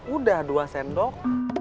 udah dua sendok